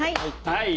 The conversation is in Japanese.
はい！